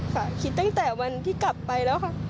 ค่ะคิดตั้งแต่วันที่กลับไปแล้วค่ะ